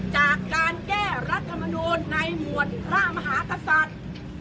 จากการแก้รัฐมนุนในหมวดร่ามหาศาสตร์